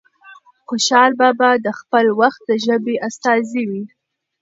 خوشال بابا د خپل وخت د ژبې استازی دی.